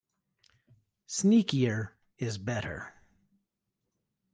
Sneakier is better.